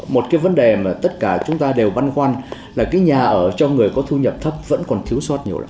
một cái vấn đề mà tất cả chúng ta đều băn quan là cái nhà ở trong người có thu nhập thấp vẫn còn thiếu soát nhiều